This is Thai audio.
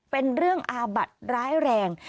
เป็นเรื่องอาบัติร้ายแรง